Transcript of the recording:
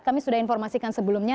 kami sudah informasikan sebelumnya